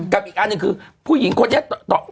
กับอีกอันนึงคือพู่หญิงคนแย่ต่อตา